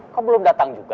kau belum datang juga